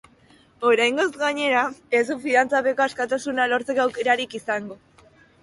Oraingoz, gainera, ez du fidantzapeko askatasuna lortzeko aukerarik izango.